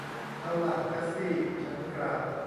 เอาล่ะ กัสซี่ ฉันกล่าว